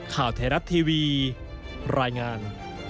ข่าวไทยรัฐทีวีรายงาน